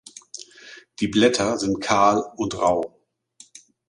Die Blätter sind kahl und rau.